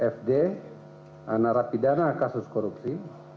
fd narapidana kasus korupsi